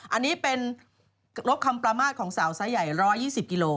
อันนี้เป็นลบคำประมาทของสาวไซส์ใหญ่๑๒๐กิโล